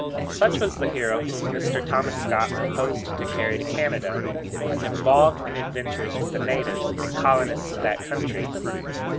Such was the hero whom Mr. Thomas Scott proposed to carry to Canada, and involve in adventures with the natives and colonists of that country.